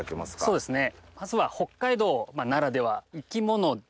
そうですね。